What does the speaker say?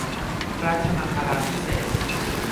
รัชมังคลาภิเษก